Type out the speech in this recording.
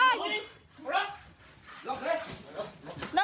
ตายหยุด